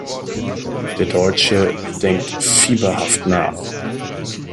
Der Deutsche denkt fieberhaft nach.